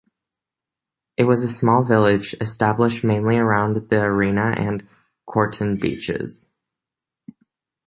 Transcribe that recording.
It was a small village, established mainly around the Arena and Corton beaches.